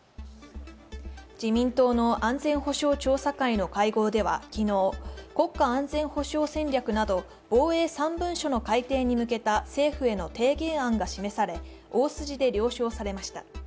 自民党の安全保障調査会の会合では昨日、国家安全保障戦略など防衛３文書の改定に向けた政府への提言案が示され大筋で了承されました。